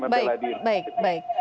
baik baik baik